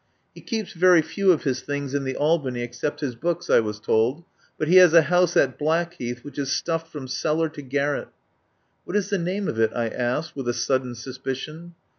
"He keeps very few of his things in the Albany except his books," I was told. "But he has a house at Blackheath which is stuffed from cellar to garret." "What is the name of it?" I asked with a sudden suspicion.